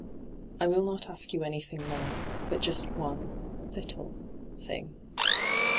' I will not ask you anything more, but just one — little — thing.